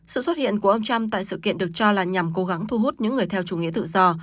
sự xuất hiện của ông trump tại sự kiện được cho là nhằm cố gắng thu hút những người theo chủ nghĩa tự do